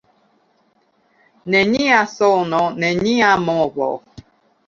Nenia sono, nenia movo.